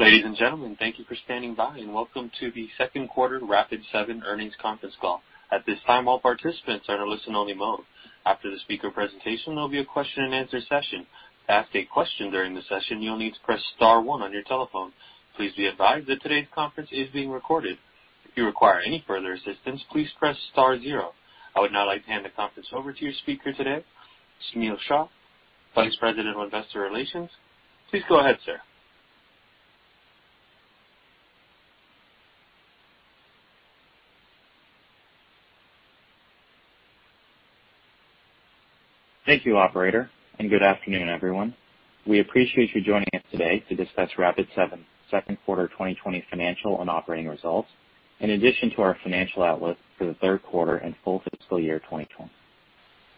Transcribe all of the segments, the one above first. Ladies and gentlemen, thank you for standing by and welcome to the Q2 Rapid7 Earnings Conference Call. At this time, all participants are in a listen-only mode. After the speaker presentation, there'll be a question and answer session. To ask a question during the session, you'll need to press star one on your telephone. Please be advised that today's conference is being recorded. If you require any further assistance, please press star zero. I would now like to hand the conference over to your speaker today, Sunil Shah, Vice President of Investor Relations. Please go ahead, sir. Thank you, operator, and good afternoon, everyone. We appreciate you joining us today to discuss Rapid7 Q2 2020 financial and operating results, in addition to our financial outlook for the Q3 and full fiscal year 2020.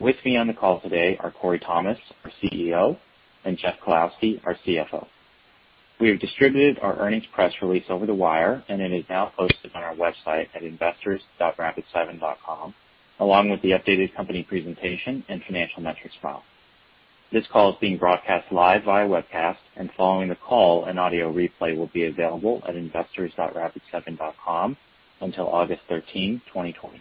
With me on the call today are Corey Thomas, our CEO, and Jeff Kalowski, our CFO. We have distributed our earnings press release over the wire, and it is now posted on our website at investors.rapid7.com, along with the updated company presentation and financial metrics file. This call is being broadcast live via webcast, and following the call, an audio replay will be available at investors.rapid7.com until August 13, 2020.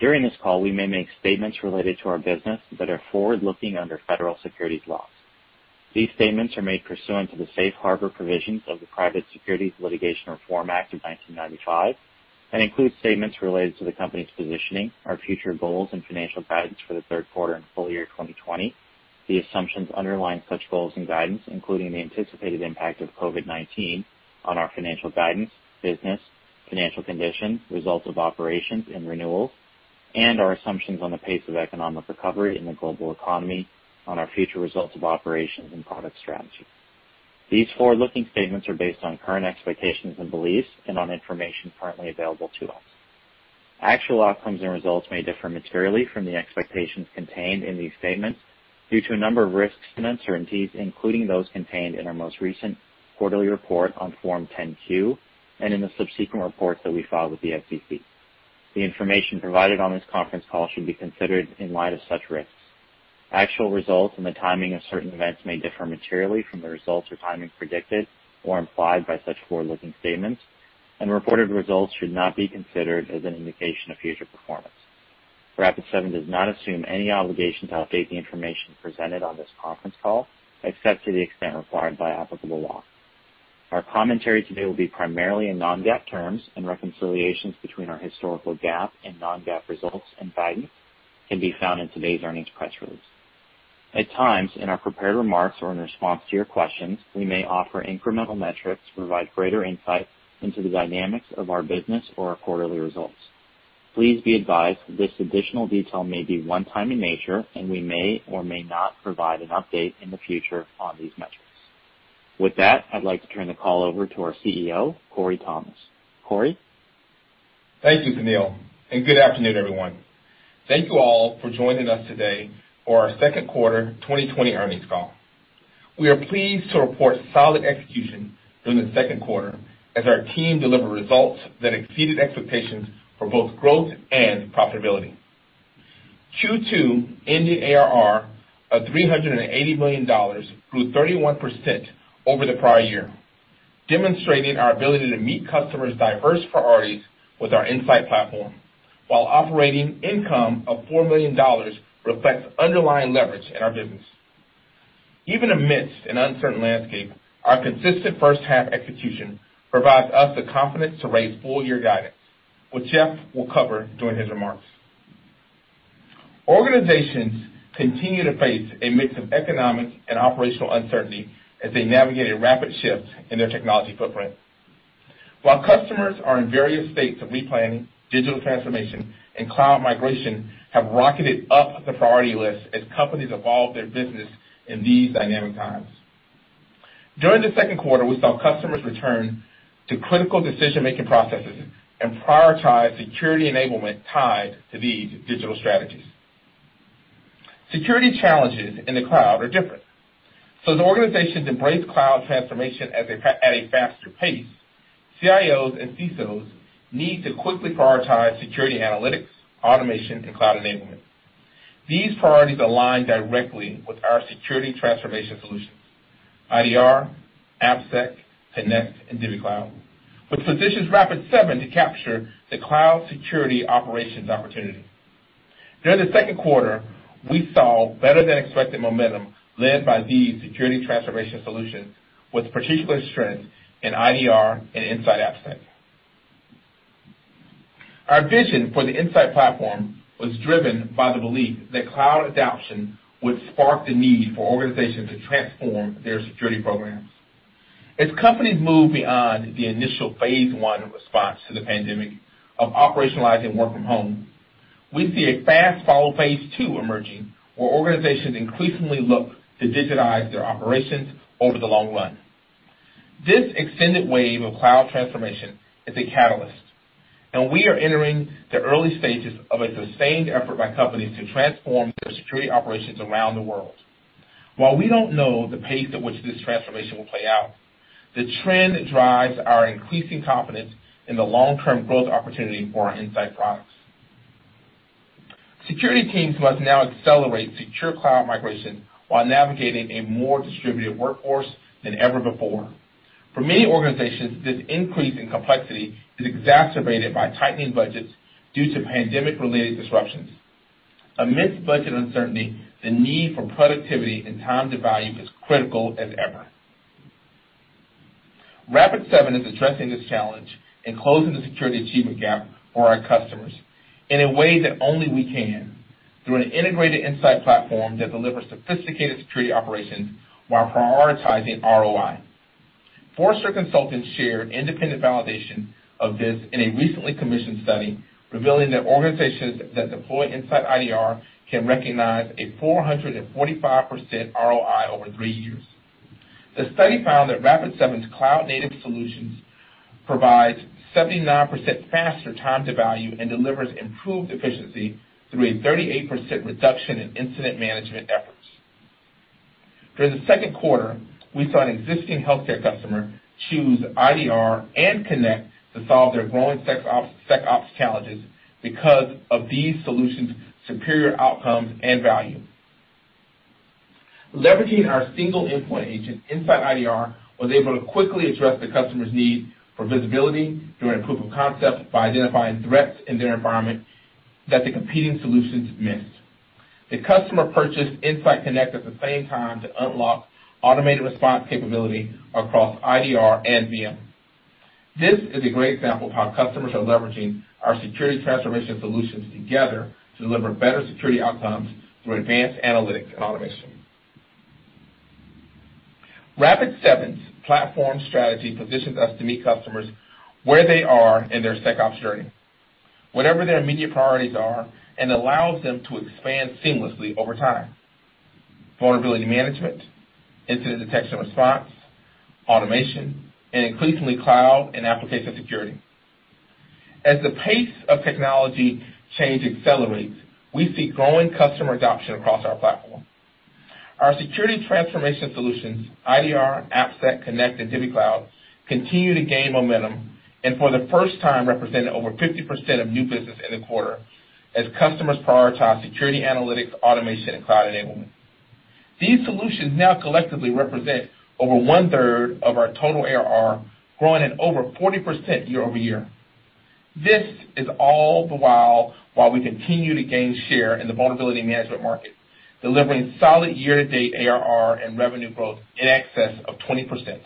During this call, we may make statements related to our business that are forward-looking under federal securities laws. These statements are made pursuant to the safe harbor provisions of the Private Securities Litigation Reform Act of 1995 and include statements related to the company's positioning, our future goals and financial guidance for the Q3 and full year 2020, the assumptions underlying such goals and guidance, including the anticipated impact of COVID-19 on our financial guidance, business, financial condition, results of operations and renewals, and our assumptions on the pace of economic recovery in the global economy on our future results of operations and product strategy. These forward-looking statements are based on current expectations and beliefs and on information currently available to us. Actual outcomes and results may differ materially from the expectations contained in these statements due to a number of risks and uncertainties, including those contained in our most recent quarterly report on Form 10-Q and in the subsequent reports that we file with the SEC. The information provided on this conference call should be considered in light of such risks. Actual results and the timing of certain events may differ materially from the results or timing predicted or implied by such forward-looking statements, and reported results should not be considered as an indication of future performance. Rapid7 does not assume any obligation to update the information presented on this conference call, except to the extent required by applicable law. Our commentary today will be primarily in non-GAAP terms, and reconciliations between our historical GAAP and non-GAAP results and guidance can be found in today's earnings press release. At times, in our prepared remarks or in response to your questions, we may offer incremental metrics to provide greater insight into the dynamics of our business or our quarterly results. Please be advised this additional detail may be one-time in nature, and we may or may not provide an update in the future on these metrics. With that, I'd like to turn the call over to our CEO, Corey Thomas. Corey? Thank you, Sunil, and good afternoon, everyone. Thank you all for joining us today for our Q2 2020 earnings call. We are pleased to report solid execution during the Q2 as our team delivered results that exceeded expectations for both growth and profitability. Q2 ended ARR of $380 million, grew 31% over the prior year, demonstrating our ability to meet customers' diverse priorities with our Insight platform, while operating income of $4 million reflects underlying leverage in our business. Even amidst an uncertain landscape, our consistent first-half execution provides us the confidence to raise full-year guidance, which Jeff will cover during his remarks. Organizations continue to face a mix of economic and operational uncertainty as they navigate a rapid shift in their technology footprint. While customers are in various states of replanning, digital transformation, and cloud migration have rocketed up the priority list as companies evolve their business in these dynamic times. During the Q2, we saw customers return to critical decision-making processes and prioritize security enablement tied to these digital strategies. Security challenges in the cloud are different. As organizations embrace cloud transformation at a faster pace, CIOs and CISOs need to quickly prioritize security analytics, automation, and cloud enablement. These priorities align directly with our security transformation solutions, IDR, AppSec, Connect, and DivvyCloud, which positions Rapid7 to capture the cloud security operations opportunity. During the Q2, we saw better-than-expected momentum led by these security transformation solutions with particular strength in IDR and InsightAppSec. Our vision for the Insight platform was driven by the belief that cloud adoption would spark the need for organizations to transform their security programs. As companies move beyond the initial phase I response to the pandemic of operationalizing work from home, we see a fast-follow phase II emerging, where organizations increasingly look to digitize their operations over the long run. This extended wave of cloud transformation is a catalyst, and we are entering the early stages of a sustained effort by companies to transform their security operations around the world. While we don't know the pace at which this transformation will play out, the trend drives our increasing confidence in the long-term growth opportunity for our Insight products. Security teams must now accelerate secure cloud migration while navigating a more distributed workforce than ever before. For many organizations, this increase in complexity is exacerbated by tightening budgets due to pandemic-related disruptions. Amidst budget uncertainty, the need for productivity and time to value is critical as ever. Rapid7 is addressing this challenge and closing the security achievement gap for our customers in a way that only we can, through an integrated Insight platform that delivers sophisticated security operations while prioritizing ROI. Forrester consultants shared independent validation of this in a recently commissioned study revealing that organizations that deploy InsightIDR can recognize a 445% ROI over three years. The study found that Rapid7's cloud-native solutions provides 79% faster time to value and delivers improved efficiency through a 38% reduction in incident management efforts. During the Q2, we saw an existing healthcare customer choose IDR and Connect to solve their growing SecOps challenges because of these solutions' superior outcomes and value. Leveraging our single endpoint agent, InsightIDR was able to quickly address the customer's need for visibility during proof of concept by identifying threats in their environment that the competing solutions missed. The customer purchased InsightConnect at the same time to unlock automated response capability across InsightIDR and InsightVM. This is a great example of how customers are leveraging our security transformation solutions together to deliver better security outcomes through advanced analytics and automation. Rapid7's platform strategy positions us to meet customers where they are in their SecOps journey, whatever their immediate priorities are, and allows them to expand seamlessly over time. Vulnerability management, incident detection response, automation, and increasingly cloud and application security. As the pace of technology change accelerates, we see growing customer adoption across our platform. Our security transformation solutions, InsightIDR, InsightAppSec, InsightConnect, and DivvyCloud, continue to gain momentum, and for the first time represent over 50% of new business in the quarter as customers prioritize security analytics, automation, and cloud enablement. These solutions now collectively represent over one-third of our total ARR, growing at over 40% year-over-year. This is all the while we continue to gain share in the vulnerability management market, delivering solid year-to-date ARR and revenue growth in excess of 20%.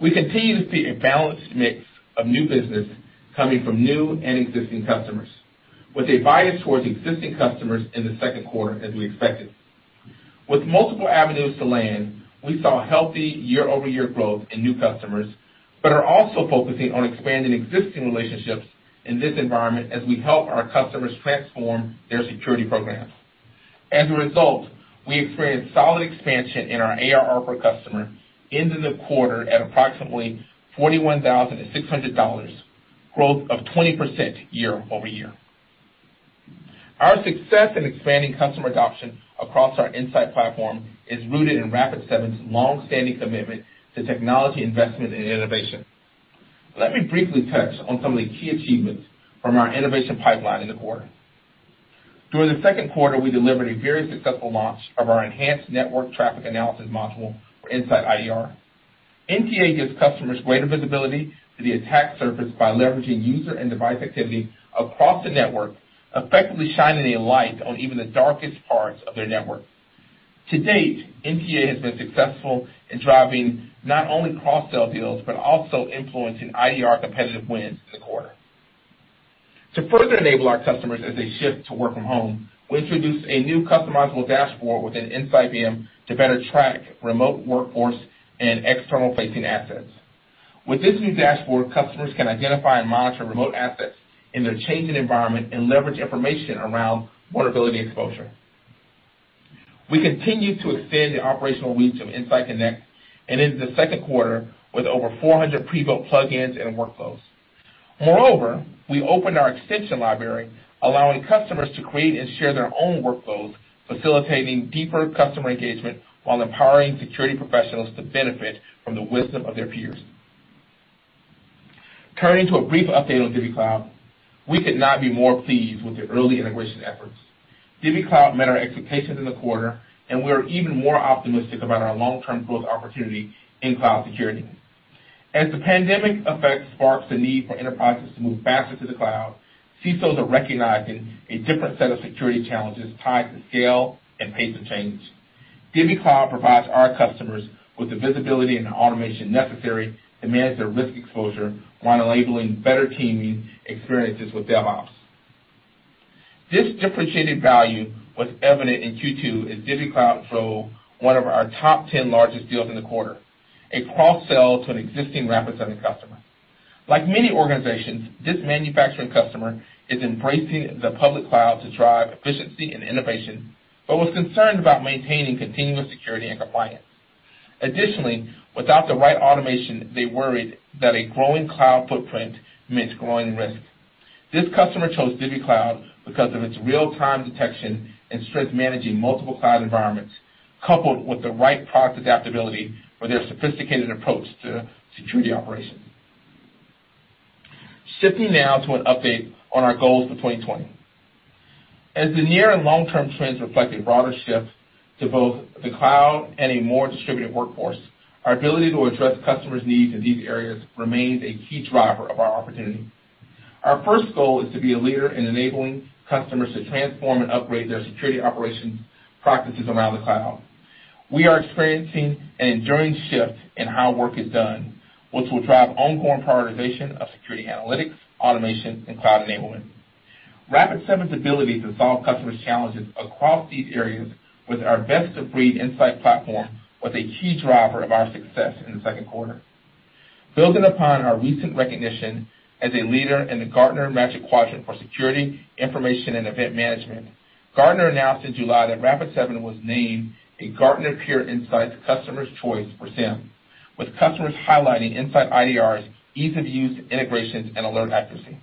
We continue to see a balanced mix of new business coming from new and existing customers, with a bias towards existing customers in the Q2 as we expected. With multiple avenues to land, we saw healthy year-over-year growth in new customers, but are also focusing on expanding existing relationships in this environment as we help our customers transform their security programs. As a result, we experienced solid expansion in our ARR per customer ended the quarter at approximately $41,600, growth of 20% year-over-year. Our success in expanding customer adoption across our Insight platform is rooted in Rapid7's long-standing commitment to technology investment and innovation. Let me briefly touch on some of the key achievements from our innovation pipeline in the quarter. During the Q2, we delivered a very successful launch of our enhanced network traffic analysis module for InsightIDR. NTA gives customers greater visibility to the attack surface by leveraging user and device activity across the network, effectively shining a light on even the darkest parts of their network. To date, NTA has been successful in driving not only cross-sell deals, but also influencing IDR competitive wins in the quarter. To further enable our customers as they shift to work from home, we introduced a new customizable dashboard within InsightVM to better track remote workforce and external-facing assets. With this new dashboard, customers can identify and monitor remote assets in their changing environment and leverage information around vulnerability exposure. We continue to extend the operational reach of InsightConnect ended the Q2 with over 400 pre-built plugins and workflows. We opened our extension library, allowing customers to create and share their own workflows, facilitating deeper customer engagement while empowering security professionals to benefit from the wisdom of their peers. Turning to a brief update on DivvyCloud, we could not be more pleased with the early integration efforts. DivvyCloud met our expectations in the quarter, and we are even more optimistic about our long-term growth opportunity in cloud security. As the pandemic effect sparks the need for enterprises to move faster to the cloud, CISOs are recognizing a different set of security challenges tied to scale and pace of change. DivvyCloud provides our customers with the visibility and automation necessary to manage their risk exposure while enabling better teaming experiences with DevOps. This differentiated value was evident in Q2 as DivvyCloud drove one of our top 10 largest deals in the quarter, a cross-sell to an existing Rapid7 customer. Like many organizations, this manufacturing customer is embracing the public cloud to drive efficiency and innovation, but was concerned about maintaining continuous security and compliance. Additionally, without the right automation, they worried that a growing cloud footprint meant growing risk. This customer chose DivvyCloud because of its real-time detection and strength managing multiple cloud environments. Coupled with the right product adaptability for their sophisticated approach to security operations. Shifting now to an update on our goals for 2020. As the near and long-term trends reflect a broader shift to both the cloud and a more distributed workforce, our ability to address customers' needs in these areas remains a key driver of our opportunity. Our first goal is to be a leader in enabling customers to transform and upgrade their security operations practices around the cloud. We are experiencing an enduring shift in how work is done, which will drive ongoing prioritization of security analytics, automation, and cloud enablement. Rapid7's ability to solve customers' challenges across these areas with our best-of-breed Insight platform was a key driver of our success in the Q2. Building upon our recent recognition as a leader in the Gartner Magic Quadrant for Security Information and Event Management, Gartner announced in July that Rapid7 was named a Gartner Peer Insights Customers' Choice for SIEM, with customers highlighting InsightIDR's ease of use, integrations, and alert accuracy.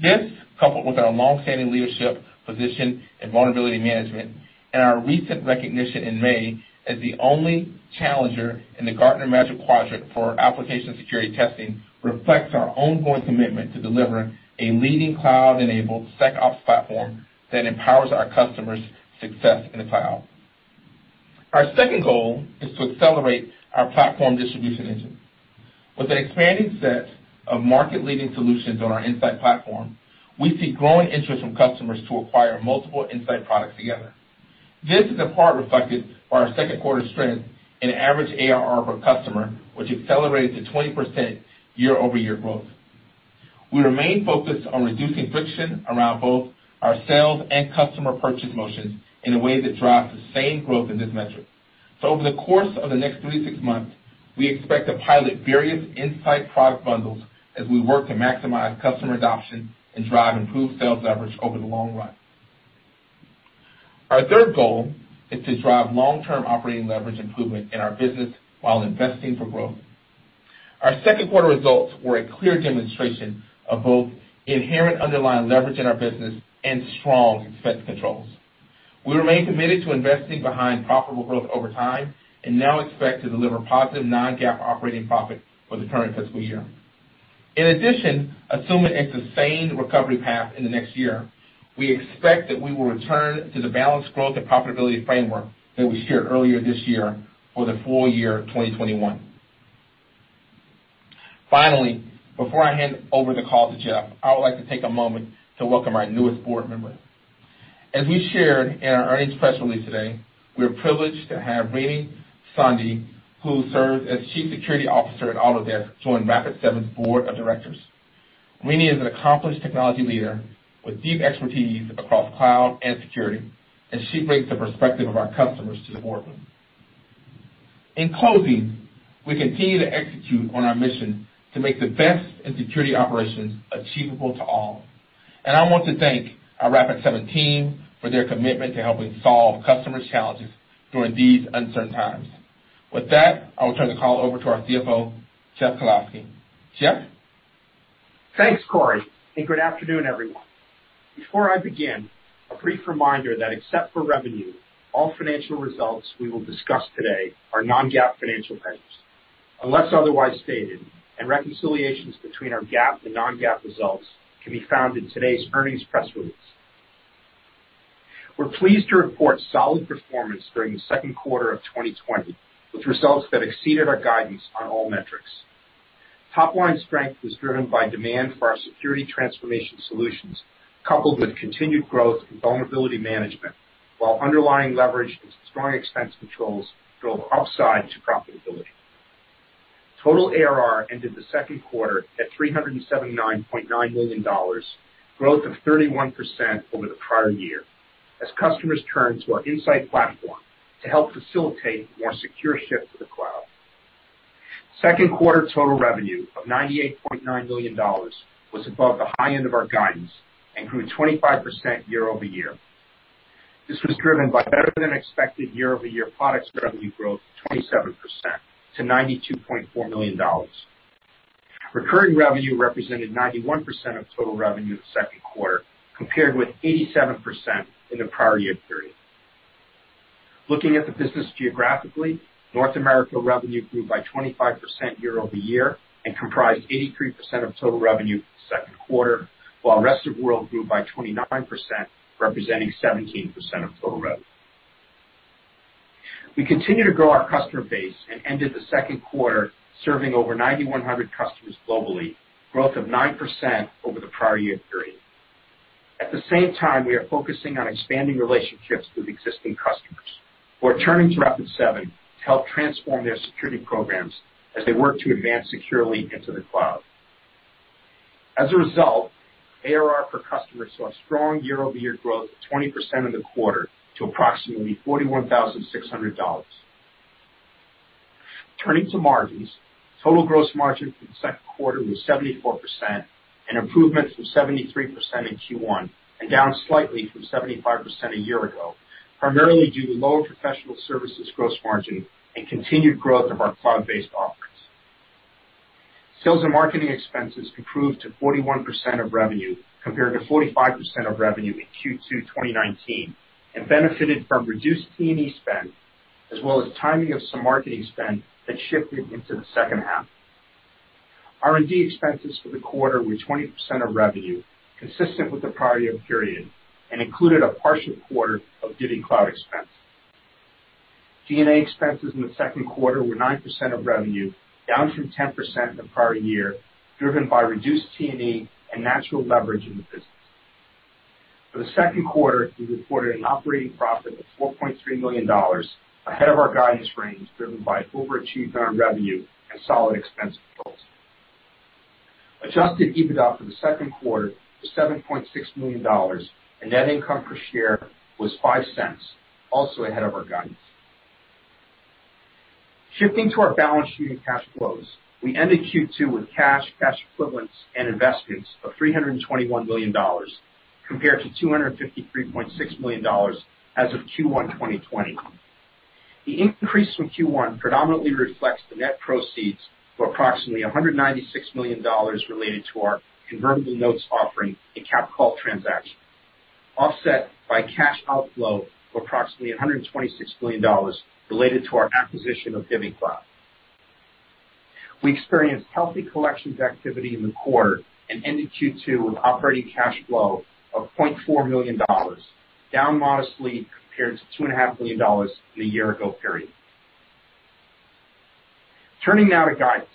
This, coupled with our long-standing leadership position in vulnerability management and our recent recognition in May as the only challenger in the Gartner Magic Quadrant for application security testing, reflects our ongoing commitment to delivering a leading cloud-enabled SecOps platform that empowers our customers' success in the cloud. Our second goal is to accelerate our platform distribution engine. With an expanding set of market-leading solutions on our Insight platform, we see growing interest from customers to acquire multiple Insight products together. This is in part reflected by our Q2 strength in average ARR per customer, which accelerated to 20% year-over-year growth. We remain focused on reducing friction around both our sales and customer purchase motions in a way that drives the same growth in this metric. Over the course of the next three to six months, we expect to pilot various Insight product bundles as we work to maximize customer adoption and drive improved sales leverage over the long run. Our third goal is to drive long-term operating leverage improvement in our business while investing for growth. Our Q2 results were a clear demonstration of both inherent underlying leverage in our business and strong expense controls. We remain committed to investing behind profitable growth over time and now expect to deliver positive non-GAAP operating profit for the current fiscal year. In addition, assuming a sustained recovery path in the next year, we expect that we will return to the balanced growth and profitability framework that we shared earlier this year for the full year 2021. Finally, before I hand over the call to Jeff, I would like to take a moment to welcome our newest board member. As we shared in our earnings press release today, we are privileged to have Reeny Sondhi, who serves as Chief Security Officer at Autodesk, join Rapid7's board of directors. Reeny is an accomplished technology leader with deep expertise across cloud and security, and she brings the perspective of our customers to the boardroom. In closing, we continue to execute on our mission to make the best in security operations achievable to all. I want to thank our Rapid7 team for their commitment to helping solve customers' challenges during these uncertain times. With that, I will turn the call over to our CFO, Jeff Kalowski. Jeff? Thanks, Corey. Good afternoon, everyone. Before I begin, a brief reminder that except for revenue, all financial results we will discuss today are non-GAAP financial measures, unless otherwise stated, and reconciliations between our GAAP and non-GAAP results can be found in today's earnings press release. We're pleased to report solid performance during the Q2 of 2020, with results that exceeded our guidance on all metrics. Top-line strength was driven by demand for our security transformation solutions, coupled with continued growth in vulnerability management, while underlying leverage and strong expense controls drove upside to profitability. Total ARR ended the Q2 at $379.9 million, growth of 31% over the prior year, as customers turn to our Insight platform to help facilitate more secure shift to the cloud. Q2 total revenue of $98.9 million was above the high end of our guidance and grew 25% year-over-year. This was driven by better than expected year-over-year products revenue growth of 27% to $92.4 million. Recurring revenue represented 91% of total revenue in the Q2, compared with 87% in the prior year period. Looking at the business geographically, North America revenue grew by 25% year-over-year and comprised 83% of total revenue in the Q2, while rest of world grew by 29%, representing 17% of total revenue. We continue to grow our customer base and ended the Q2 serving over 9,100 customers globally, growth of 9% over the prior year period. At the same time, we are focusing on expanding relationships with existing customers who are turning to Rapid7 to help transform their security programs as they work to advance securely into the cloud. As a result, ARR per customer saw strong year-over-year growth of 20% in the quarter to approximately $41,600. Turning to margins, total gross margin for the Q2 was 74%, an improvement from 73% in Q1 and down slightly from 75% a year ago, primarily due to lower professional services gross margin and continued growth of our cloud-based offerings. Sales and marketing expenses improved to 41% of revenue, compared to 45% of revenue in Q2 2019, and benefited from reduced T&E spend, as well as timing of some marketing spend that shifted into the second half. R&D expenses for the quarter were 20% of revenue, consistent with the prior year period, and included a partial quarter of DivvyCloud expense. G&A expenses in the Q2 were 9% of revenue, down from 10% in the prior year, driven by reduced T&E and natural leverage in the business. For the Q2, we reported an operating profit of $4.3 million, ahead of our guidance range, driven by overachievement on revenue and solid expense controls. Adjusted EBITDA for the Q2 was $7.6 million, and net income per share was $0.05, also ahead of our guidance. Shifting to our balance sheet and cash flows, we ended Q2 with cash equivalents, and investments of $321 million, compared to $253.6 million as of Q1 2020. The increase from Q1 predominantly reflects the net proceeds for approximately $196 million related to our convertible notes offering and cap call transaction, offset by cash outflow of approximately $126 million related to our acquisition of DivvyCloud. We experienced healthy collections activity in the quarter and ended Q2 with operating cash flow of $0.4 million, down modestly compared to $2.5 million from the year ago period. Turning now to guidance.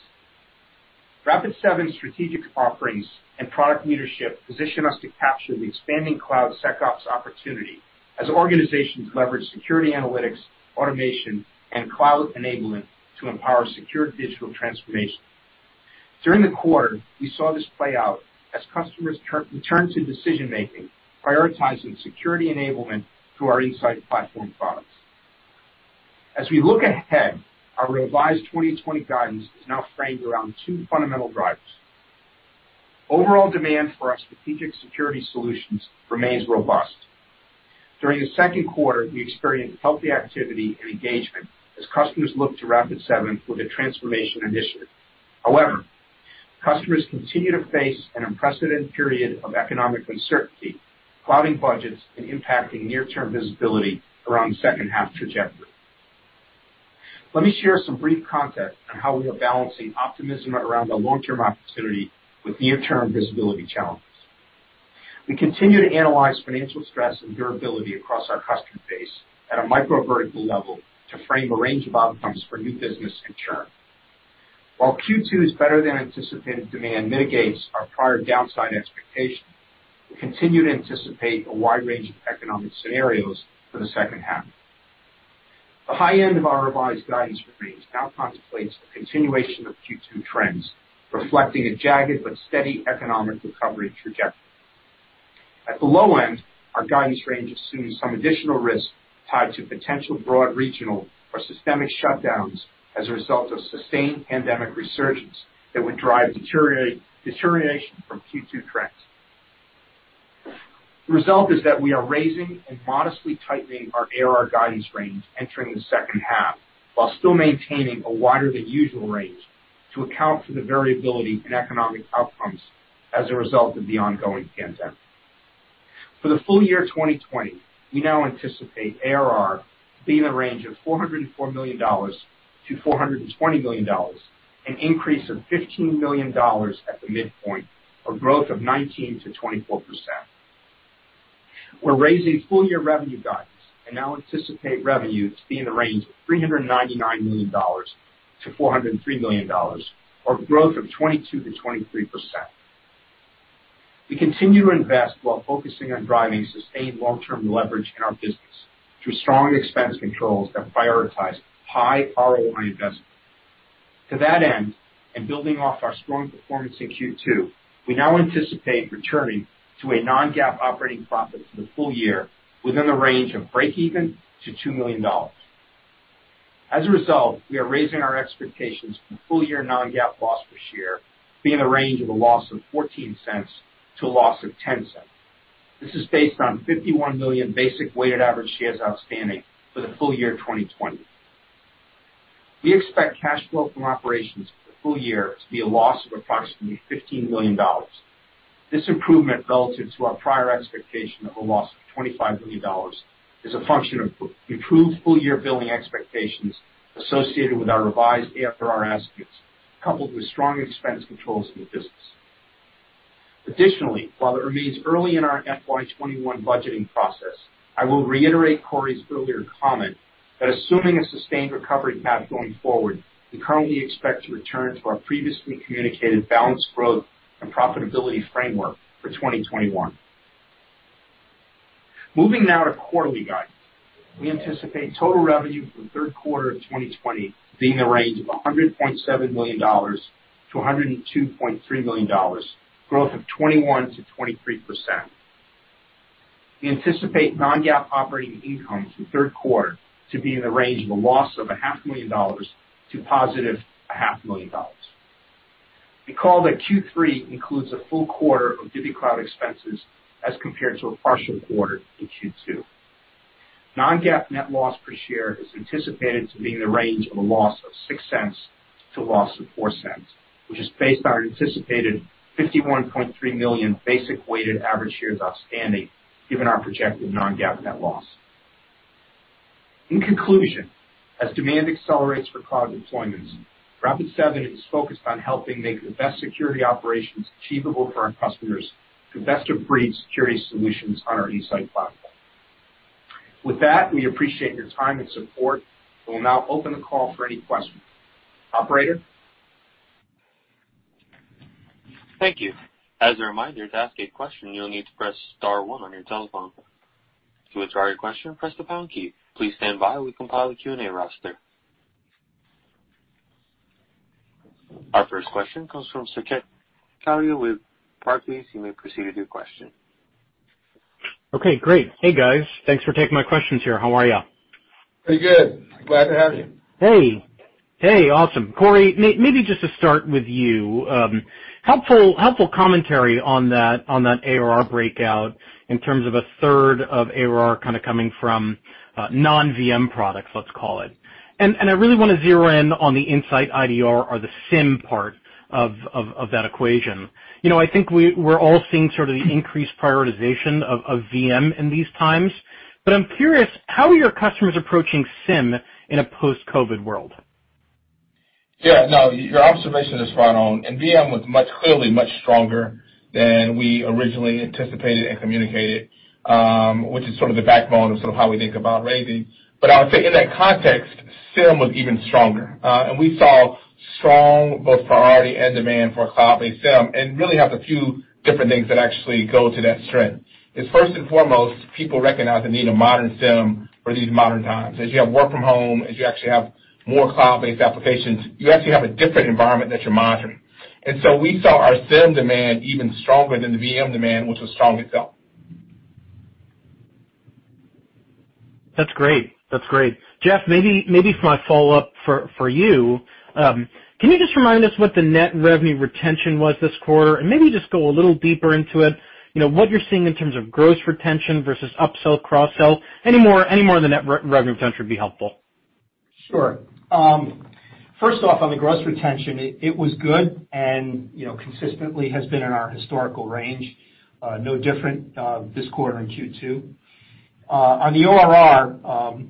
Rapid7 strategic offerings and product leadership position us to capture the expanding cloud SecOps opportunity as organizations leverage security analytics, automation, and cloud enablement to empower secured digital transformation. During the quarter, we saw this play out as customers returned to decision-making, prioritizing security enablement through our Insight platform products. As we look ahead, our revised 2020 guidance is now framed around two fundamental drivers. Overall demand for our strategic security solutions remains robust. During the Q2, we experienced healthy activity and engagement as customers look to Rapid7 for their transformation initiatives. Customers continue to face an unprecedented period of economic uncertainty, clouding budgets and impacting near-term visibility around the second half trajectory. Let me share some brief context on how we are balancing optimism around the long-term opportunity with near-term visibility challenges. We continue to analyze financial stress and durability across our customer base at a micro vertical level to frame a range of outcomes for new business and churn. While Q2's better-than-anticipated demand mitigates our prior downside expectation, we continue to anticipate a wide range of economic scenarios for the second half. The high end of our revised guidance range now contemplates the continuation of Q2 trends, reflecting a jagged but steady economic recovery trajectory. At the low end, our guidance range assumes some additional risk tied to potential broad regional or systemic shutdowns as a result of sustained pandemic resurgence that would drive deterioration from Q2 trends. The result is that we are raising and modestly tightening our ARR guidance range entering the second half, while still maintaining a wider-than-usual range to account for the variability in economic outcomes as a result of the ongoing pandemic. For the full year 2020, we now anticipate ARR to be in the range of $404 million-$420 million, an increase of $15 million at the midpoint, or growth of 19%-24%. We're raising full-year revenue guidance and now anticipate revenue to be in the range of $399 million-$403 million, or growth of 22%-23%. We continue to invest while focusing on driving sustained long-term leverage in our business through strong expense controls that prioritize high ROI investment. To that end, and building off our strong performance in Q2, we now anticipate returning to a non-GAAP operating profit for the full year within the range of breakeven to $2 million. As a result, we are raising our expectations for full-year non-GAAP loss per share to be in the range of a loss of $0.14-$0.10. This is based on 51 million basic weighted average shares outstanding for the full year 2020. We expect cash flow from operations for the full year to be a loss of approximately $15 million. This improvement relative to our prior expectation of a loss of $25 million is a function of improved full-year billing expectations associated with our revised ARR estimates, coupled with strong expense controls in the business. Additionally, while it remains early in our FY 2021 budgeting process, I will reiterate Corey's earlier comment that assuming a sustained recovery path going forward, we currently expect to return to our previously communicated balanced growth and profitability framework for 2021. Moving now to quarterly guidance. We anticipate total revenue for the Q3 of 2020 to be in the range of $100.7 million-$102.3 million, growth of 21%-23%. We anticipate non-GAAP operating income for the Q3 to be in the range of a loss of $500,000 to +$500,000. Recall that Q3 includes a full quarter of DivvyCloud expenses as compared to a partial quarter in Q2. Non-GAAP net loss per share is anticipated to be in the range of a loss of $0.06 to a loss of $0.04, which is based on our anticipated 51.3 million basic weighted average shares outstanding given our projected non-GAAP net loss. In conclusion, as demand accelerates for cloud deployments, Rapid7 is focused on helping make the best security operations achievable for our customers through best-of-breed security solutions on our Insight platform. With that, we appreciate your time and support. We will now open the call for any questions. Operator? Thank you. As a reminder, to ask a question, you will need to press star one on your telephone. To withdraw your question, press the pound key. Please stand by while we compile a Q&A roster. Our first question comes from Saket Kalia with Barclays. You may proceed with your question. Okay, great. Hey, guys. Thanks for taking my questions here. How are y'all? Pretty good. Glad to have you. Hey. Awesome. Corey, maybe just to start with you. Helpful commentary on that ARR breakout in terms of a third of ARR coming from non-VM products, let's call it. I really want to zero in on the InsightIDR or the SIEM part of that equation. I think we're all seeing sort of the increased prioritization of VM in these times, but I'm curious, how are your customers approaching SIEM in a post-COVID-19 world? Yeah, no, your observation is spot on. VM was clearly much stronger than we originally anticipated and communicated, which is sort of the backbone of how we think about raising. I would say in that context, SIEM was even stronger. We saw strong both priority and demand for cloud-based SIEM, and really have a few different things that actually go to that strength, is first and foremost, people recognize the need of modern SIEM for these modern times. As you have work from home, as you actually have more cloud-based applications, you actually have a different environment that you're monitoring. We saw our SIEM demand even stronger than the VM demand, which was strong itself. That's great. Jeff, maybe for my follow-up for you, can you just remind us what the Net Revenue Retention was this quarter, and maybe just go a little deeper into it, what you're seeing in terms of gross retention versus upsell, cross-sell? Any more of the Net Revenue Retention would be helpful. Sure. First off, on the gross retention, it was good and consistently has been in our historical range. No different this quarter in Q2. On the NRR,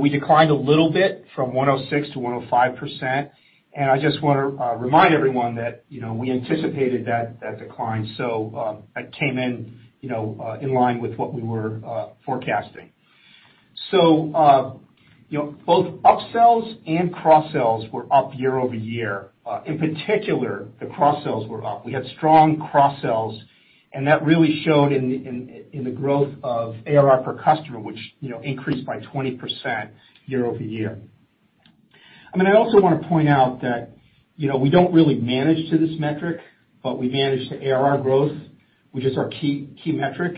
we declined a little bit from 106% to 105%. I just want to remind everyone that we anticipated that decline, that came in line with what we were forecasting. Both upsells and cross-sells were up year-over-year. In particular, the cross-sells were up. We had strong cross-sells, that really showed in the growth of ARR per customer, which increased by 20% year-over-year. I also want to point out that we don't really manage to this metric, but we manage the ARR growth, which is our key metric,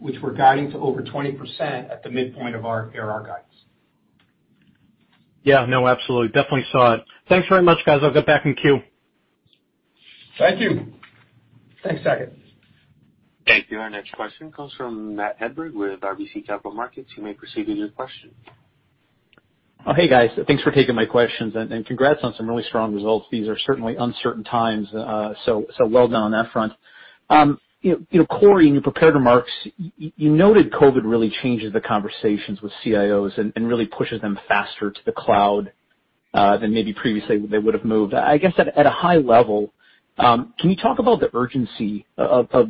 which we're guiding to over 20% at the midpoint of our ARR guidance. Yeah, no, absolutely. Definitely saw it. Thanks very much, guys. I'll get back in queue. Thank you. Thanks, Saket. Thank you. Our next question comes from Matt Hedberg with RBC Capital Markets. You may proceed with your question. Hey, guys. Thanks for taking my questions. Congrats on some really strong results. These are certainly uncertain times. Well done on that front. Corey, in your prepared remarks, you noted COVID really changes the conversations with CIOs and really pushes them faster to the cloud than maybe previously they would have moved. I guess at a high level, can you talk about the urgency of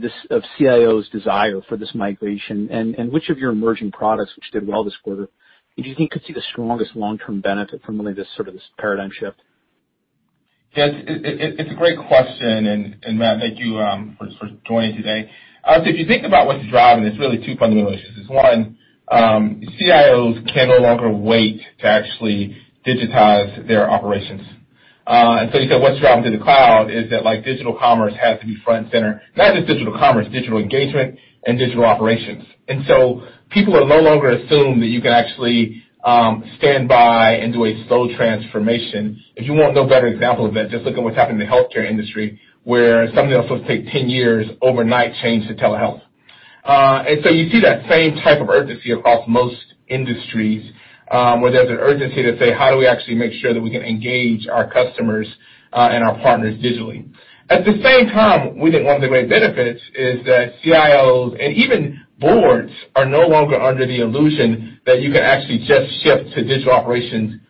CIO's desire for this migration and which of your emerging products, which did well this quarter, you think could see the strongest long-term benefit from really this sort of this paradigm shift? Yeah. It's a great question, Matt, thank you for joining today. I would say if you think about what's driving, it's really two fundamental issues. It's one, CIOs can no longer wait to actually digitize their operations. You said what's driving to the cloud is that digital commerce has to be front and center. Not just digital commerce, digital engagement and digital operations. People will no longer assume that you can actually stand by and do a slow transformation. If you want no better example of that, just look at what's happened in the healthcare industry, where something that was supposed to take 10 years overnight changed to telehealth. You see that same type of urgency across most industries, where there's an urgency to say, how do we actually make sure that we can engage our customers and our partners digitally? At the same time, we think one of the great benefits is that CIOs and even boards are no longer under the illusion that you can actually just shift to digital operations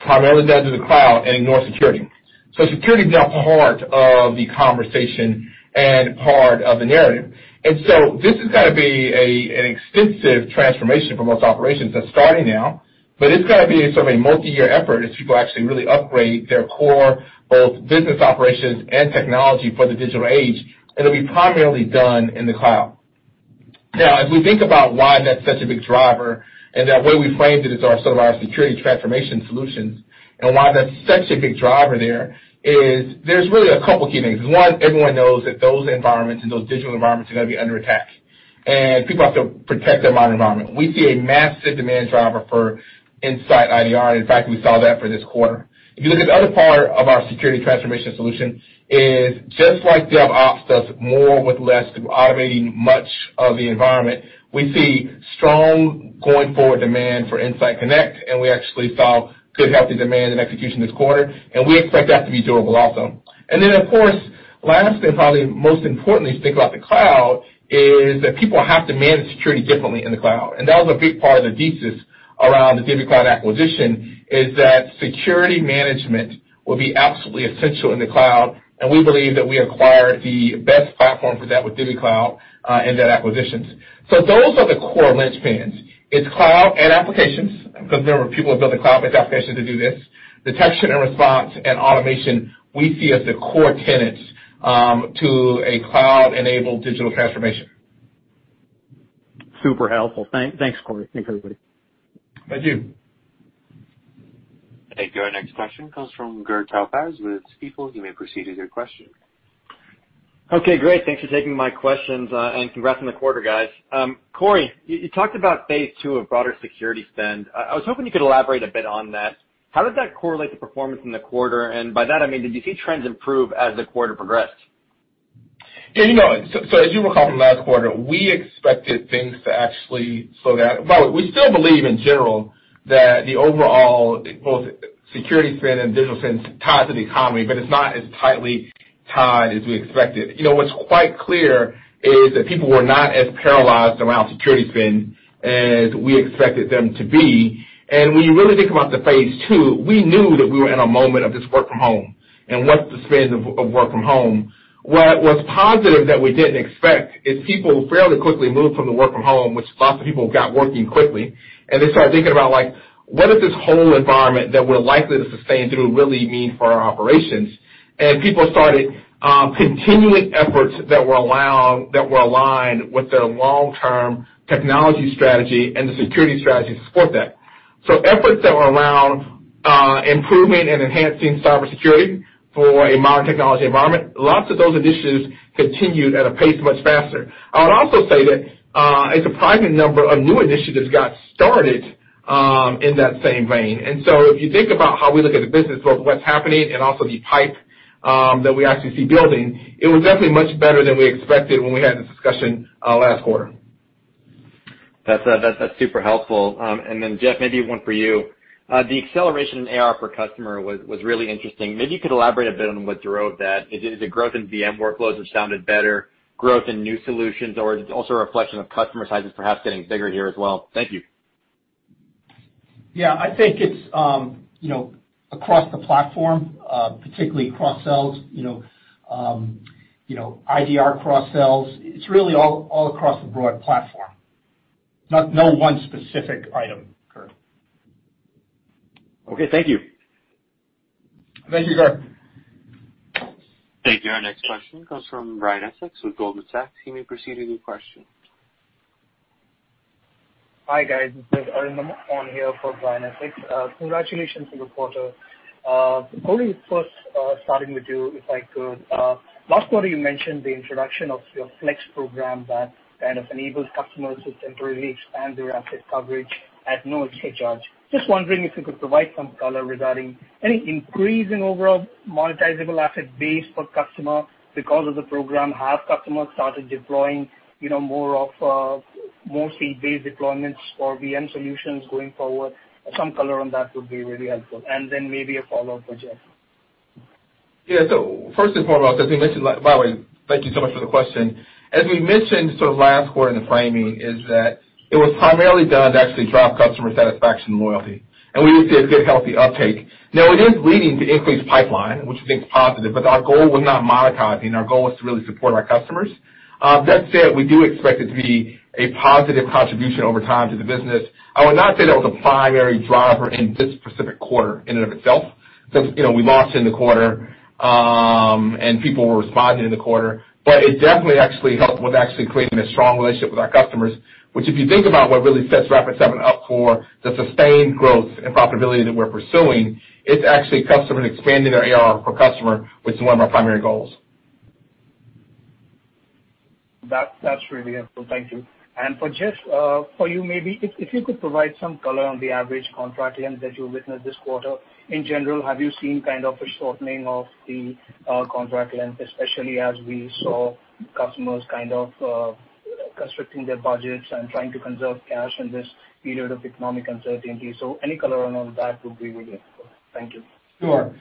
primarily down to the cloud and ignore security. Security's now part of the conversation and part of the narrative. This is going to be an extensive transformation for most operations that's starting now, but it's going to be a multi-year effort as people actually really upgrade their core, both business operations and technology for the digital age, and it'll be primarily done in the cloud. As we think about why that's such a big driver, and that way we framed it as our security transformation solutions, and why that's such a big driver there is there's really a couple key things. One, everyone knows that those environments and those digital environments are going to be under attack. People have to protect their modern environment. We see a massive demand driver for InsightIDR. In fact, we saw that for this quarter. If you look at the other part of our security transformation solution is just like DevOps stuff, more with less through automating much of the environment. We see strong going forward demand for InsightConnect, and we actually saw good healthy demand and execution this quarter, and we expect that to be durable also. Of course, last and probably most importantly if you think about the cloud, is that people have to manage security differently in the cloud. That was a big part of the thesis around the DivvyCloud acquisition, is that security management will be absolutely essential in the cloud, and we believe that we acquired the best platform for that with DivvyCloud in that acquisition. Those are the core linchpins. It's cloud and applications, because remember, people have built the cloud applications to do this. Detection and response and automation we see as the core tenets to a cloud-enabled digital transformation. Super helpful. Thanks, Corey. Thanks, everybody. Thank you. Thank you. Our next question comes from Gur Talpaz with Stifel. You may proceed with your question. Okay, great. Thanks for taking my questions, and congrats on the quarter, guys. Corey, you talked about phase II of broader security spend. I was hoping you could elaborate a bit on that. How does that correlate the performance in the quarter? By that I mean, did you see trends improve as the quarter progressed? Yeah. As you recall from last quarter, we expected things to actually slow down. By the way, we still believe in general that the overall both security spend and digital spend is tied to the economy, but it's not as tightly tied as we expected. What's quite clear is that people were not as paralyzed around security spend as we expected them to be. When you really think about the phase II, we knew that we were in a moment of this work from home, and what's the spend of work from home? What was positive that we didn't expect is people fairly quickly moved from the work from home, which lots of people got working quickly, and they started thinking about, what is this whole environment that we're likely to sustain through really mean for our operations? People started continuing efforts that were aligned with their long-term technology strategy and the security strategy to support that. Efforts that were around improving and enhancing cybersecurity for a modern technology environment, lots of those initiatives continued at a pace much faster. I would also say that a surprising number of new initiatives got started in that same vein. If you think about how we look at the business, both what's happening and also the pipe that we actually see building, it was definitely much better than we expected when we had this discussion last quarter. That's super helpful. Then Jeff, maybe one for you. The acceleration in ARR per customer was really interesting. Maybe you could elaborate a bit on what drove that. Is it growth in VM workloads which sounded better, growth in new solutions, or is it also a reflection of customer sizes perhaps getting bigger here as well? Thank you. Yeah, I think it's across the platform, particularly cross-sells, IDR cross-sells. It's really all across the broad platform. Not no one specific item, Gur. Okay, thank you. Thank you, Gur. Thank you. Our next question comes from Brian Essex with Goldman Sachs. You may proceed with your question. Hi, guys. This is Arindam on here for Brian Essex. Congratulations on the quarter. Corey, first, starting with you, if I could. Last quarter you mentioned the introduction of your Flex program that kind of enables customers to temporarily expand their asset coverage at no extra charge. Just wondering if you could provide some color regarding any increase in overall monetizable asset base per customer because of the program. Have customers started deploying more seat-based deployments for VM solutions going forward? Some color on that would be really helpful. Maybe a follow-up for Jeff. Yeah. First and foremost, by the way, thank you so much for the question. As we mentioned sort of last quarter in the framing is that it was primarily done to actually drive customer satisfaction and loyalty, and we did see a good, healthy uptake. Now, it is leading to increased pipeline, which we think is positive, but our goal was not monetization. Our goal was to really support our customers. That said, we do expect it to be a positive contribution over time to the business. I would not say that was a primary driver in this specific quarter in and of itself, because we launched in the quarter, and people were responding in the quarter. It definitely actually helped with actually creating a strong relationship with our customers, which if you think about what really sets Rapid7 up for the sustained growth and profitability that we're pursuing, it's actually customers expanding their ARR per customer, which is one of our primary goals. That's really helpful. Thank you. For Jeff, for you maybe, if you could provide some color on the average contract length that you witnessed this quarter. In general, have you seen kind of a shortening of the contract length, especially as we saw customers kind of constricting their budgets and trying to conserve cash in this period of economic uncertainty? Any color around that would be really helpful. Thank you. Sure.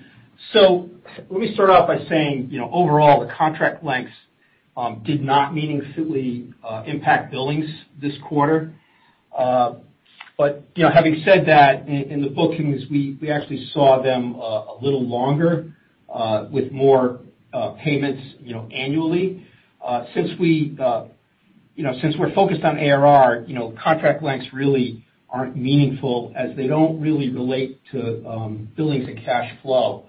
Let me start off by saying, overall, the contract lengths did not meaningfully impact billings this quarter. Having said that, in the bookings, we actually saw them a little longer, with more payments annually. Since we're focused on ARR, contract lengths really aren't meaningful as they don't really relate to billings and cash flow.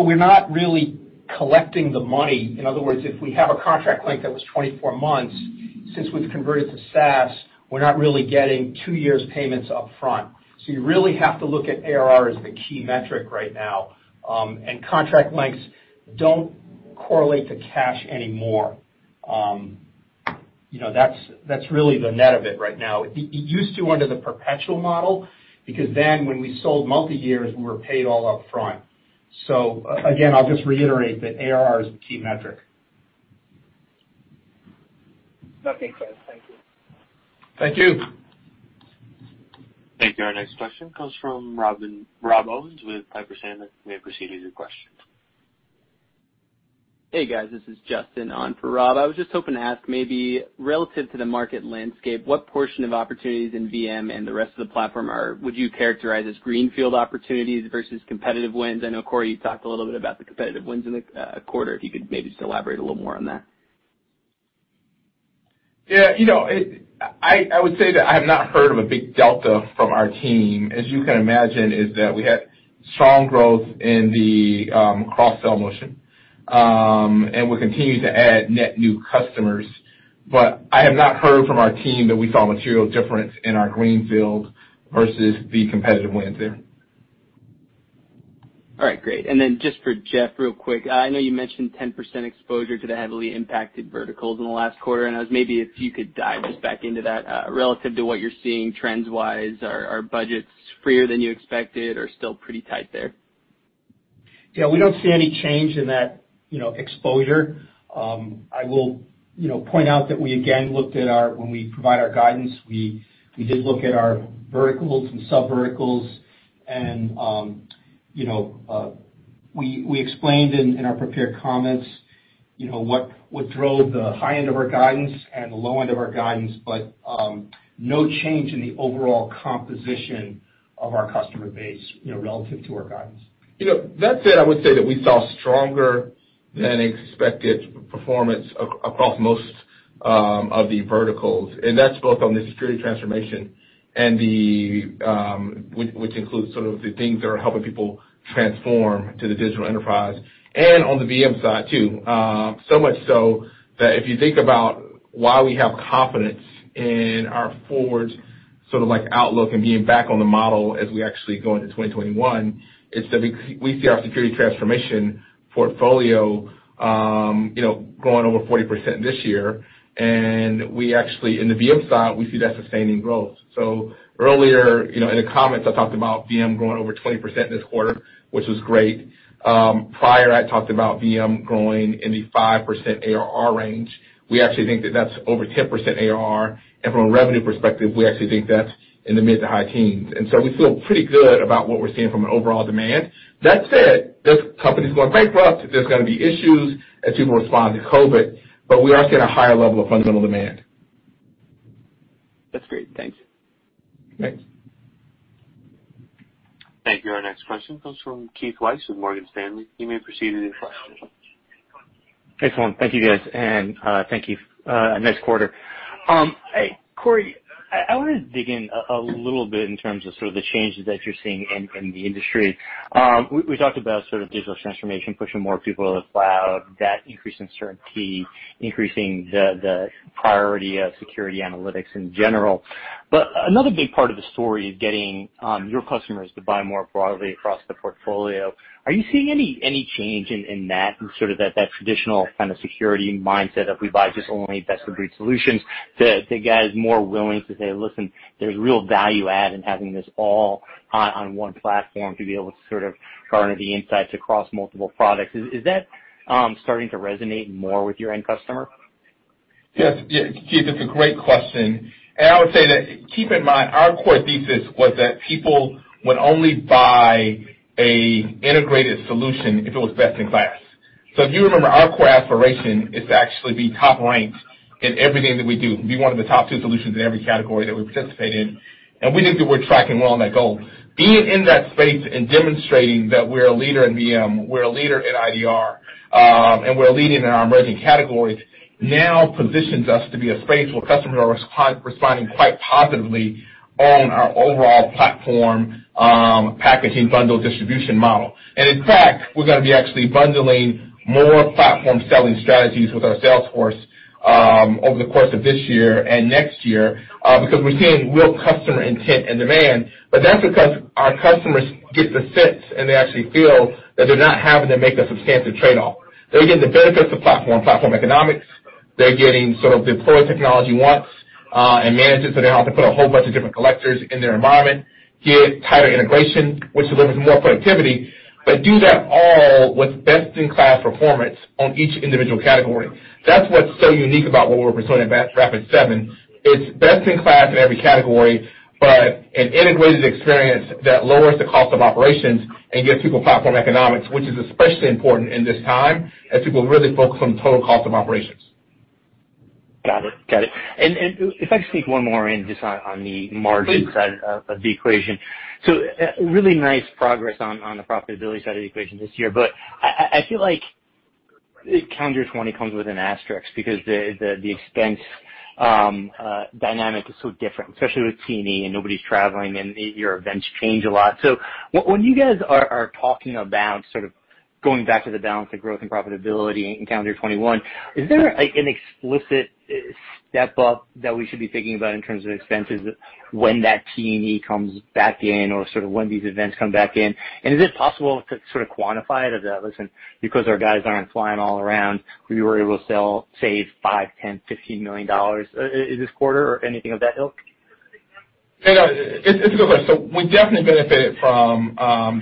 We're not really collecting the money. In other words, if we have a contract length that was 24 months, since we've converted to SaaS, we're not really getting two years' payments upfront. You really have to look at ARR as the key metric right now. Contract lengths don't correlate to cash anymore. That's really the net of it right now. It used to under the perpetual model, because then when we sold multi-years, we were paid all upfront. Again, I'll just reiterate that ARR is the key metric. That makes sense. Thank you. Thank you. Thank you. Our next question comes from Rob Owens with Piper Sandler. You may proceed with your question. Hey, guys. This is Justin on for Rob. I was just hoping to ask, maybe relative to the market landscape, what portion of opportunities in VM and the rest of the platform would you characterize as greenfield opportunities versus competitive wins? I know, Corey, you talked a little bit about the competitive wins in the quarter. If you could maybe just elaborate a little more on that. Yeah. I would say that I have not heard of a big delta from our team. As you can imagine, is that we had strong growth in the cross-sell motion, and we're continuing to add net new customers. I have not heard from our team that we saw a material difference in our greenfield versus the competitive wins there. All right, great. Just for Jeff, real quick, I know you mentioned 10% exposure to the heavily impacted verticals in the last quarter, if you could dive us back into that, relative to what you're seeing trends-wise. Are budgets freer than you expected or still pretty tight there? Yeah. We don't see any change in that exposure. I will point out that we, again, when we provide our guidance, we did look at our verticals and sub-verticals, and we explained in our prepared comments what drove the high end of our guidance and the low end of our guidance. No change in the overall composition of our customer base relative to our guidance. That said, I would say that we saw stronger than expected performance across most of the verticals, and that's both on the security transformation, which includes sort of the things that are helping people transform to the digital enterprise, and on the VM side, too. Much so that if you think about why we have confidence in our forward sort of outlook and being back on the model as we actually go into 2021, it's that we see our security transformation portfolio growing over 40% this year. We actually, in the VM side, we see that sustaining growth. Earlier in the comments, I talked about VM growing over 20% this quarter, which was great. Prior, I talked about VM growing in the 5% ARR range. We actually think that that's over 10% ARR, and from a revenue perspective, we actually think that's in the mid to high teens. We feel pretty good about what we're seeing from an overall demand. That said, there's companies going bankrupt, there's going to be issues as people respond to COVID, we are seeing a higher level of fundamental demand. That's great. Thanks. Thanks. Thank you. Our next question comes from Keith Weiss with Morgan Stanley. You may proceed with your question. Excellent. Thank you, guys, and thank you. A nice quarter. Corey, I want to dig in a little bit in terms of sort of the changes that you're seeing in the industry. We talked about sort of digital transformation pushing more people to the cloud, that increase in certainty, increasing the priority of security analytics in general. Another big part of the story is getting your customers to buy more broadly across the portfolio. Are you seeing any change in that sort of that traditional kind of security mindset of we buy just only best-of-breed solutions to guys more willing to say, listen, there's real value add in having this all on one platform to be able to sort of garner the insights across multiple products. Is that starting to resonate more with your end customer? Yes. Keith, that's a great question, and I would say that, keep in mind, our core thesis was that people would only buy an integrated solution if it was best in class. If you remember, our core aspiration is to actually be top ranked in everything that we do, be one of the top two solutions in every category that we participate in. We think that we're tracking well on that goal. Being in that space and demonstrating that we're a leader in VM, we're a leader in IDR, and we're leading in our emerging categories now positions us to be a space where customers are responding quite positively on our overall platform packaging bundle distribution model. In fact, we're going to be actually bundling more platform selling strategies with our sales force over the course of this year and next year because we're seeing real customer intent and demand. That's because our customers get the sense, and they actually feel that they're not having to make a substantive trade-off. They're getting the benefits of platform economics. They're getting sort of deploy technology once and manage it, so they don't have to put a whole bunch of different collectors in their environment, get tighter integration, which delivers more productivity, but do that all with best-in-class performance on each individual category. That's what's so unique about what we're presenting at Rapid7. It's best in class in every category, an integrated experience that lowers the cost of operations and gives people platform economics, which is especially important in this time as people really focus on total cost of operations. Got it. If I can sneak one more in, just on the margin side of the equation. Really nice progress on the profitability side of the equation this year, but I feel like calendar 2020 comes with an asterisk because the expense dynamic is so different, especially with T&E and nobody's traveling, and your events change a lot. When you guys are talking about going back to the balance of growth and profitability in calendar 2021, is there an explicit step-up that we should be thinking about in terms of expenses when that T&E comes back in or sort of when these events come back in? Is it possible to sort of quantify it as, listen, because our guys aren't flying all around, we were able to save five, ten, $15 million this quarter or anything of that ilk? Hey, no, it's a good question. We definitely benefited from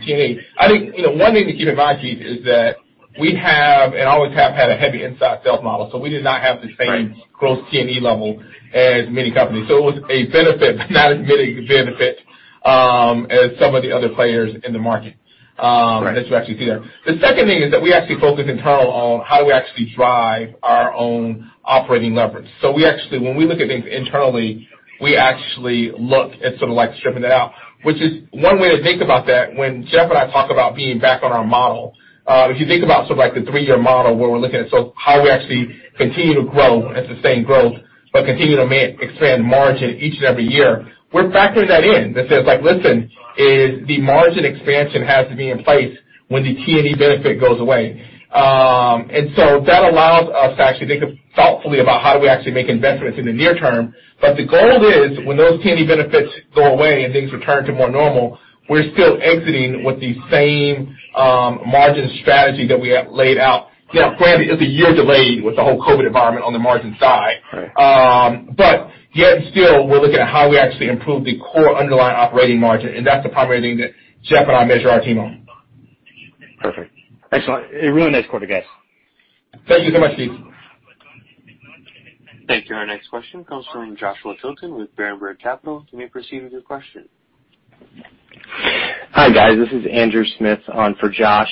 T&E. I think one thing to keep in mind, Keith, is that we have, and always have had, a heavy inside sales model, we did not have the same. Right Growth T&E level as many companies. It was a benefit, but not as big a benefit as some of the other players in the market. Right As you actually see there. The second thing is that we actually focus internal on how do we actually drive our own operating leverage. We actually, when we look at things internally, we actually look at sort of like stripping it out, which is one way to think about that when Jeff and I talk about being back on our model, if you think about sort of like the three-year model where we're looking at, how we actually continue to grow at the same growth but continue to expand margin each and every year, we're factoring that in that says, like, listen, is the margin expansion has to be in place when the T&E benefit goes away. That allows us to actually think thoughtfully about how do we actually make investments in the near term. The goal is when those T&E benefits go away and things return to more normal, we're still exiting with the same margin strategy that we have laid out. Now frankly, it's a year delayed with the whole COVID environment on the margin side. Right. Yet still, we're looking at how we actually improve the core underlying operating margin, and that's the primary thing that Jeff and I measure our team on. Perfect. Excellent. A really nice quarter, guys. Thank you so much, Keith. Thank you. Our next question comes from Joshua Tilton with Berenberg Capital. You may proceed with your question. Hi, guys. This is Andrew Smith on for Josh.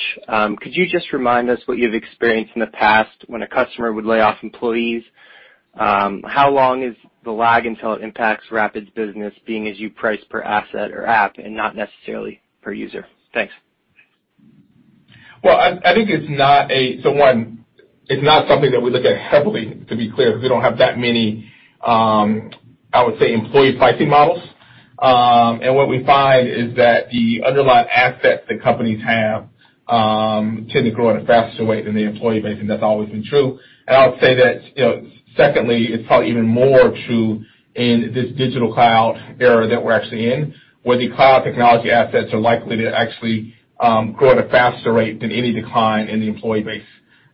Could you just remind us what you've experienced in the past when a customer would lay off employees? How long is the lag until it impacts Rapid7's business being as you price per asset or app and not necessarily per user? Thanks. Well, I think it's not something that we look at heavily, to be clear, because we don't have that many, I would say, employee pricing models. What we find is that the underlying assets that companies have tend to grow at a faster rate than the employee base, and that's always been true. I would say that, secondly, it's probably even more true in this digital cloud era that we're actually in, where the cloud technology assets are likely to actually grow at a faster rate than any decline in the employee base.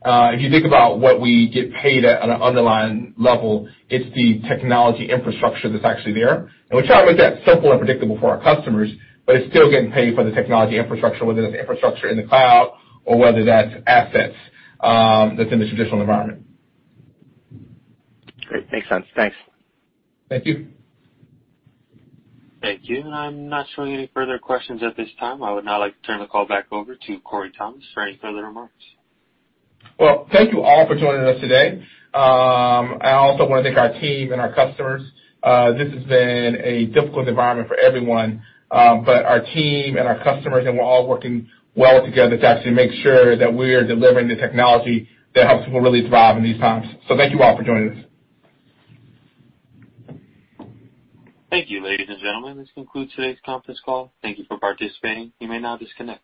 If you think about what we get paid at an underlying level, it's the technology infrastructure that's actually there. We try to make that simple and predictable for our customers, but it's still getting paid for the technology infrastructure, whether that's infrastructure in the cloud or whether that's assets that's in the traditional environment. Great. Makes sense. Thanks. Thank you. Thank you. I'm not showing any further questions at this time. I would now like to turn the call back over to Corey Thomas for any further remarks. Well, thank you all for joining us today. I also want to thank our team and our customers. This has been a difficult environment for everyone, but our team and our customers, and we're all working well together to actually make sure that we are delivering the technology that helps people really thrive in these times. Thank you all for joining us. Thank you, ladies and gentlemen. This concludes today's conference call. Thank you for participating. You may now disconnect.